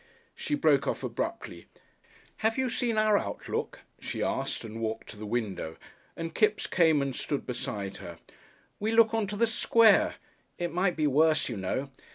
She broke off abruptly. "Have you seen our outlook?" she asked and walked to the window, and Kipps came and stood beside her. "We look on the Square. It might be worse, you know.